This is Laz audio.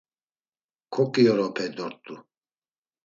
K̆oǩiyoropey dort̆u.